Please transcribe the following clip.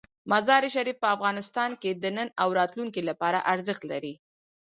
مزارشریف په افغانستان کې د نن او راتلونکي لپاره ارزښت لري.